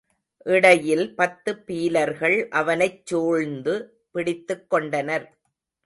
இடையில் பத்து பீலர்கள் அவனைச் சூழ்ந்து பிடித்துக் கொண்டனர்.